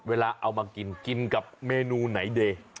เวลาเอามากินกินกับเมนูไหนดี